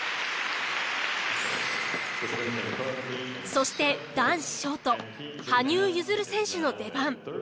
そして男子ショート羽生結弦選手の出番。